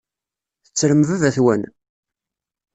Tettrem baba-twen?